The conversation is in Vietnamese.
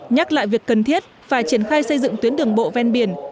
nhắc lại việc cần thiết phải triển khai xây dựng tuyến đường bộ ven biển